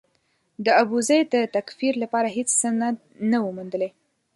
د ابوزید د تکفیر لپاره هېڅ سند نه و موندلای.